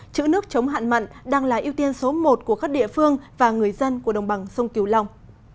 chữ nước chống hạn mặn đang là ưu tiên số một của các địa phương và người dân của đồng bằng sông kiều long